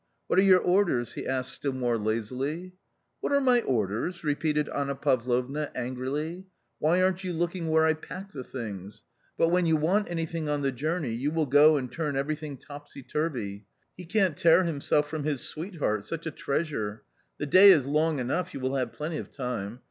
" What are your orders ?" he asked still more lazily. " What are my orders ?" repeated Anna Pavlovna angrily. " Why aren't you looking where I pack the things ? But when you want anything on the journey, you will go and turn everything topsy turvy. He can't tear himself from his sweetheart, such a treasure ! The day is long enough, you will have plenty of time.